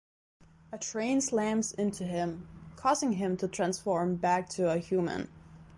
A train slams into him, causing him to transform back to a human.